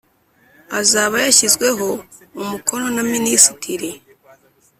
azaba yashyizweho umukono na Minisitiri